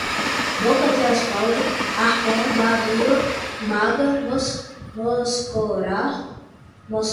boca de asfalto, arpão, babila, baga, mocosar, mocós